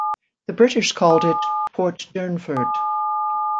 The British called it "Port Durnford".